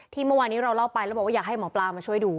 เมื่อวานนี้เราเล่าไปแล้วบอกว่าอยากให้หมอปลามาช่วยดู